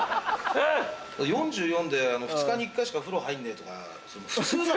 ４４で２日に１回しか風呂入んねえとか普通だろ。